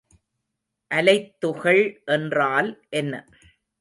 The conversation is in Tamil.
அலைத்துகள் என்றால் என்ன?